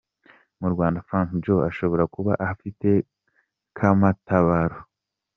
Mu Rwanda Frank Joe ashobora kuba ahafite ka matabaro!!!.